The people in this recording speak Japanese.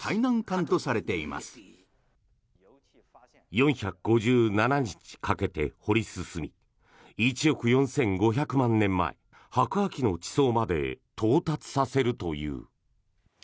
４５７日かけて掘り進み１億４５００万年前白亜紀の地層まで到達させるという。